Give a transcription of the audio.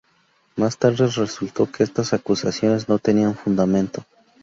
Más tarde resultó que estas acusaciones no tenían fundamento.